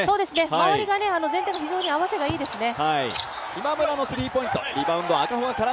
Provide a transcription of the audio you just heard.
周りが非常に全体に合わせがいいですね。